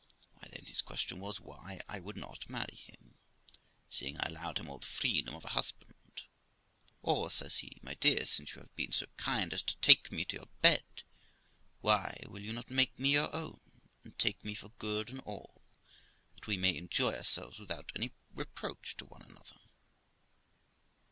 Why, then, his question was, why I would not marry him, seeing I allowed him all the freedom of a husband, ' Or ', says he, 'my dear, since you have been so kind as to take me to your bed, why will you not make me your own, and take me for good and all, that we may enjoy ourselves without any reproach to one another?'